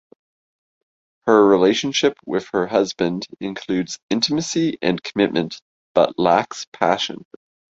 Her relationship with her husband includes intimacy and commitment, but lacks passion.